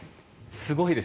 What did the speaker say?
すごいです。